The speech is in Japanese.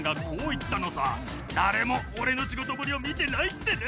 誰も俺の仕事ぶりを見てないってね。